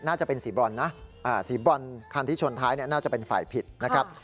น่าจะเป็นสีบรอนนะสีบรอนคันที่ชนท้ายน่าจะเป็นฝ่ายผิดนะครับ